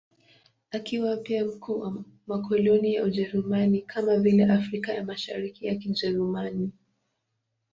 Akiwa pia mkuu wa makoloni ya Ujerumani, kama vile Afrika ya Mashariki ya Kijerumani.